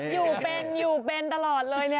อยู่เป็นอยู่เป็นตลอดเลย